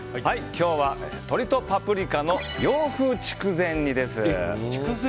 今日は鶏とパプリカの洋風筑前煮です。